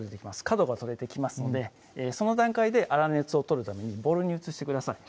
角が取れてきますのでその段階で粗熱を取るためにボウルに移してください